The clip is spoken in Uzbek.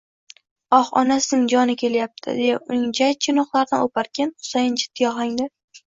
Oh, onasning joni kelyapti,- deya uning jajji yonoqlaridan o'parkan, Husayin jiddiy oxangda: